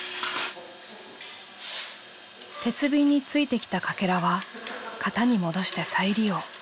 鉄瓶についてきたかけらは型に戻して再利用。